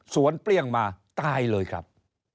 เปรี้ยงมาตายเลยครับ